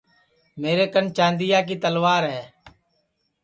میرے کن چاندیا کی تلوار ہے